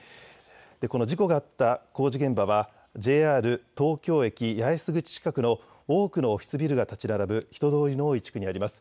この事故があった工事現場はＪＲ東京駅八重洲口近くの多くのオフィスビルが建ち並ぶ人通りの多い地区にあります。